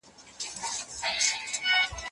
علمي ټولنه بايد همکاري وکړي.